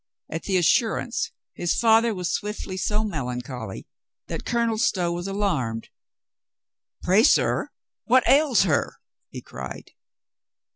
At the assurance his father was swiftly so melancholy that Colonel Stow was alarmed. "Pray, sir, what ails her?" he cried.